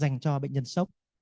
dành cho bệnh nhân sốc